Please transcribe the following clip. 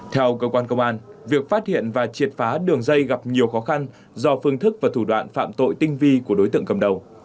theo cơ quan công an việc phát hiện và triệt phá đường dây gặp nhiều khó khăn do phương thức và thủ đoạn phạm tội tinh vi của đối tượng cầm đầu